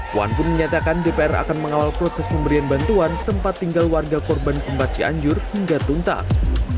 puan pun menyatakan dpr akan mengawal proses pemberian bantuan tempat tinggal warga korban pembacianjur hingga tuntas